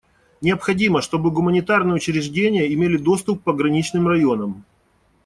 Необходимо, чтобы гуманитарные учреждения имели доступ к пограничным районам.